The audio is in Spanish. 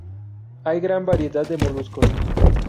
Hay gran variedad de moluscos.